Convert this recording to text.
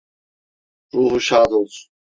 Ruhu şad olsun.